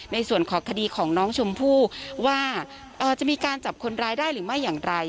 ในส่วนของคดีของน้องชมพู่ว่าจะมีการจับคนร้ายได้หรือไม่อย่างไร